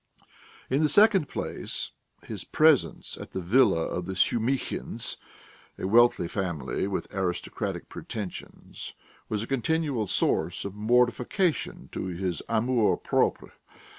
In the second place, his presence at the villa of the Shumihins, a wealthy family with aristocratic pretensions, was a continual source of mortification to his amour propre.